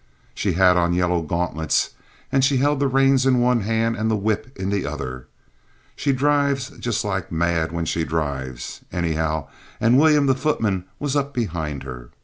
"She had on yellow gauntlets, and she held the reins in one hand and the whip in the other. She drives just like mad when she drives, anyhow, and William, the footman, was up behind her.